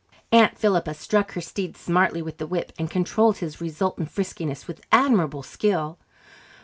Aunt Philippa struck her steed smartly with the whip and controlled his resultant friskiness with admirable skill.